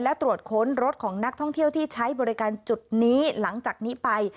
และตรวจค้นรถของนักท่องเที่ยวที่ใช้บริการจุดนี้หลังจากนี้ไป